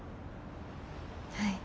はい。